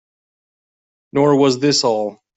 Nor was this all.